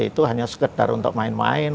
itu hanya sekedar untuk main main